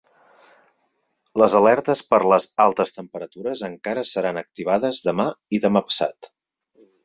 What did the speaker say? Les alertes per les altes temperatures encara seran activades demà i demà-passat.